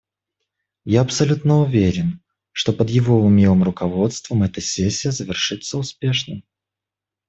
Я абсолютно уверен, что под его умелым руководством эта сессия завершится успешно.